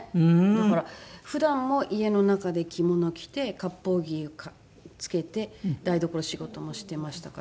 だから普段も家の中で着物着て割烹着を着けて台所仕事もしてましたから。